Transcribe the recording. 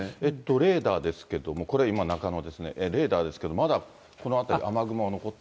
レーダーですけれども、これ、今、中野ですね、レーダーですけれども、まだこの辺り雨雲が残っている。